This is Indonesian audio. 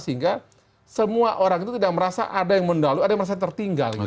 sehingga semua orang itu tidak merasa ada yang mendalu ada yang merasa tertinggal